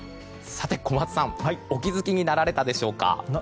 小松さん、お気づきになられたでしょうか。